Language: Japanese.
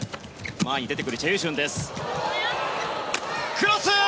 クロス！